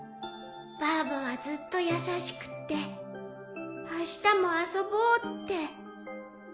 バーバはずっと優しくってあしたも遊ぼうって。